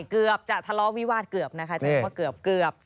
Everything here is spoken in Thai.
เกือบจะทะลอกวีวาดเกือบจะตะลอกวีวาดเกือบ